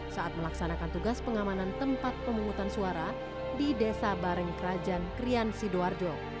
saat melaksanakan tugas pengamanan tempat pemungutan suara di desa bareng kerajaan krian sidoarjo